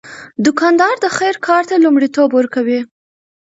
دوکاندار د خیر کار ته لومړیتوب ورکوي.